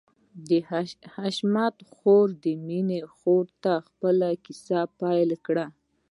د حشمتي خور د مينې خور ته خپله کيسه پيل کړه.